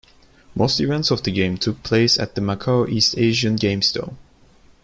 Most events of the games took place at the Macao East Asian Games Dome.